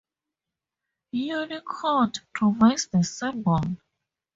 Unicode provides the symbol.